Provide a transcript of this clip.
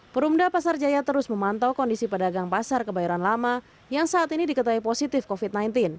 perumda pasar jaya terus memantau kondisi pedagang pasar kebayoran lama yang saat ini diketahui positif covid sembilan belas